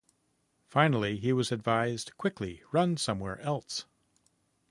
Finally, he was advised Quickly, run somewhere else.